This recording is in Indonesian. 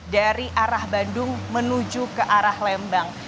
dari arah bandung menuju ke arah lembang